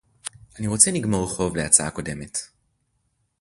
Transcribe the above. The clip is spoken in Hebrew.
אני רוצה לגמור חוב להצעה הקודמת